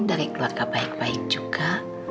dari keluarga baik baik juga